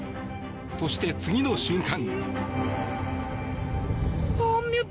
そして、次の瞬間。